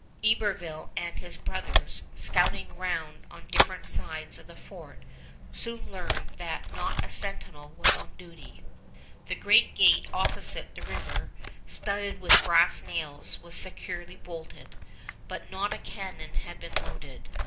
Iberville and his brothers, scouting round on different sides of the fort, soon learned that not a sentinel was on duty. The great gate opposite the river, studded with brass nails, was securely bolted, but not a cannon had been loaded.